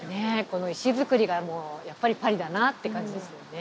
この石造りがやっぱりパリだなって感じですよね